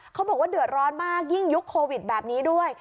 เขาบอกว่าเดือดร้อนมากยิ่งยุคโควิดแบบนี้ด้วย